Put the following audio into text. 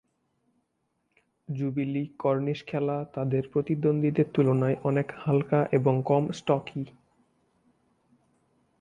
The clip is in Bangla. জুবিলি কর্নিশ খেলা তাদের প্রতিদ্বন্দ্বীদের তুলনায় অনেক হালকা এবং কম স্টকি।